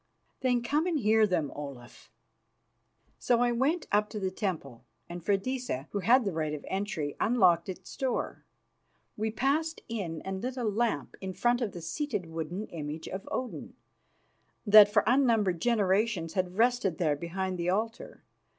"Then come and hear them, Olaf." So we went up to the temple, and Freydisa, who had the right of entry, unlocked its door. We passed in and lit a lamp in front of the seated wooden image of Odin, that for unnumbered generations had rested there behind the altar.